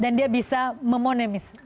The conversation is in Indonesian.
dan dia bisa memonemis